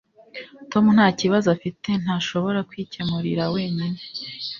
Tom ntakibazo afite ntashobora kwikemurira wenyine